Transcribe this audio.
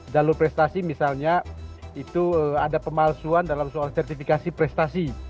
jalur prestasi misalnya itu ada pemalsuan dalam soal sertifikasi prestasi